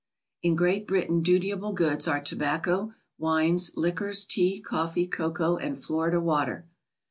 In Great Britain dutiable goods are tobacco, wines, liquors, tea, coffee, cocoa and Florida water.